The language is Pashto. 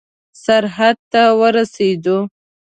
سرحد ته ورسېدو.